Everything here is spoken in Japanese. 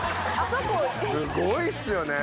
すごいっすよね。